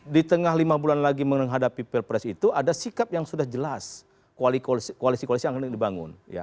di tengah lima bulan lagi menghadapi pilpres itu ada sikap yang sudah jelas koalisi koalisi yang dibangun